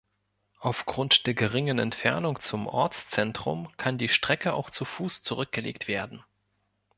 Aufgrund der geringen Entfernung zum Ortszentrum kann die Strecke auch zu Fuß zurückgelegt werden.